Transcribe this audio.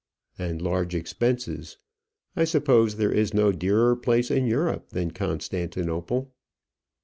"And large expenses. I suppose there is no dearer place in Europe than Constantinople."